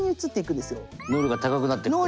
能力が高くなっていくから。